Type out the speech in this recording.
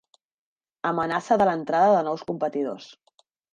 Amenaça de l'entrada de nous competidors.